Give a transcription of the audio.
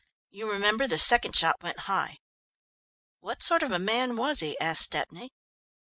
You remember the second shot went high." "What sort of a man was he?" asked Stepney.